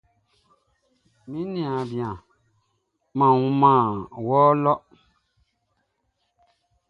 Mi niaan bian, mʼan wunman wɔ lɔ.